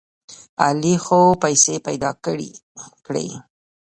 علي څو پیسې پیدا کړې.